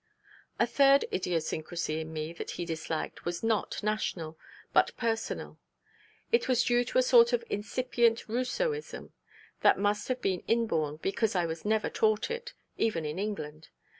A third idiosyncrasy in me that he disliked was not national, but personal. It was due to a sort of incipient Rousseau ism, that must have been inborn, because I was never taught it, even in England.